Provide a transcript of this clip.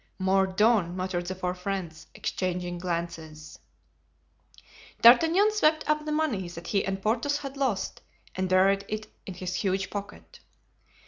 "Mordaunt!" muttered the four friends, exchanging glances. D'Artagnan swept up the money that he and Porthos had lost and buried it in his huge pocket.